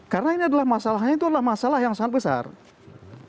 karena ini adalah masalahnya itu adalah masalah yang sangat penting